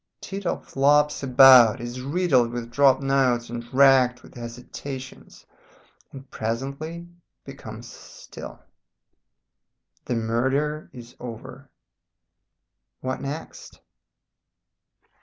Tito flops about, is riddled with dropped notes and racked with hesitations, and presently becomes still. The murder is over. "What next?